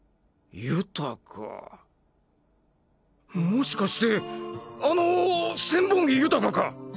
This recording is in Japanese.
もしかしてあの千本木豊か！？